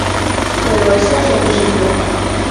¿Pero esa é a súa posición?